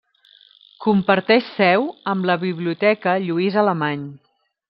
Comparteix seu amb la Biblioteca Lluís Alemany.